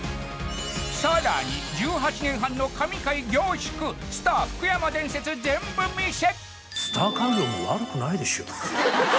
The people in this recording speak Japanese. さらに１８年半の神回凝縮スター福山伝説全部見せ！